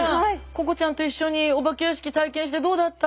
ここちゃんと一緒にお化け屋敷体験してどうだった？